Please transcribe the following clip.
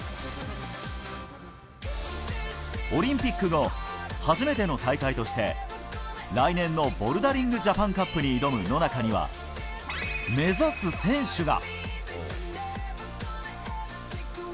オリンピック後初めての大会として、来年のボルダリングジャパンカップに挑む野中には、目指す選手が。